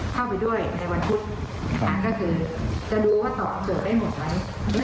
ก็คือจะรู้ว่าตอบเกิดได้หมดหรือไม่